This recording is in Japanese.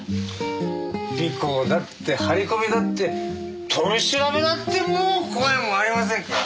尾行だって張り込みだって取り調べだってもう怖いものありませんから。